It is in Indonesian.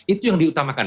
itu yang diutamakan